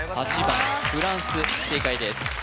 ８番フランス正解です